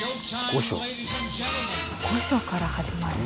御所から始まる。